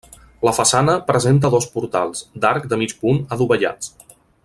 La façana presenta dos portals d'arc de mig punt adovellats.